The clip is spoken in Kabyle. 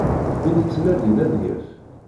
Win ittnadin ad yaf.